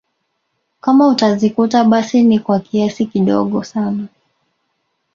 Kama utazikuta basi ni kwa kiasi kidogo sana